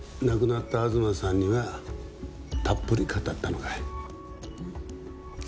亡くなった東さんにはたっぷり語ったのかい？